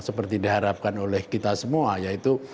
seperti diharapkan oleh kita semua yaitu